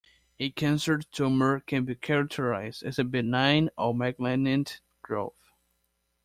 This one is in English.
A Cancer tumor can be characterized as a benign or malignant growth.